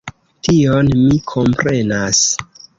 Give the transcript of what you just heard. Tion mi komprenas.